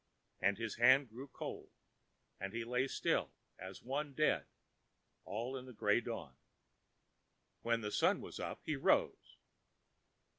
And his hand grew cold and he lay still as one dead, all in the grey dawn. When the sun was up he arose.